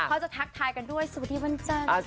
เขาจะทักทายกันด้วยสวัสดีวันจันทร์